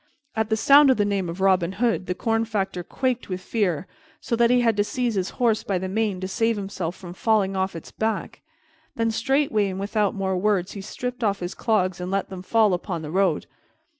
At the sound of the name of Robin Hood, the corn factor quaked with fear, so that he had to seize his horse by the mane to save himself from falling off its back. Then straightway, and without more words, he stripped off his clogs and let them fall upon the road.